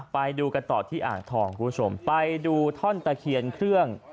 ไปดูกันต่อที่อ่างทองคุณผู้ชมไปดูท่อนตะเคียนเครื่อง